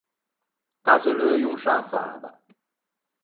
Cazze l’euio in sciâ fava.